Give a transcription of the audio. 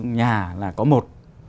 nhà là có một